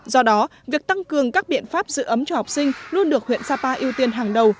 do đó việc tăng cường các biện pháp giữ ấm cho học sinh luôn được huyện sapa ưu tiên hàng đầu